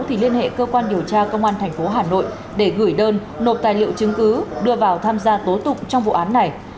thì liên hệ cơ quan điều tra công an tp hà nội để gửi đơn nộp tài liệu chứng cứ đưa vào tham gia tố tụng trong vụ án này